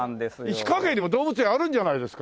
石川県にも動物園あるんじゃないですか？